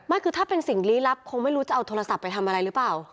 คือถ้าเป็นสิ่งลี้ลับคงไม่รู้จะเอาโทรศัพท์ไปทำอะไรหรือเปล่า